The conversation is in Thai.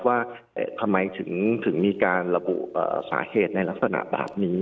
ว่าทำไมถึงมีการระบุสาเหตุในลักษณะแบบนี้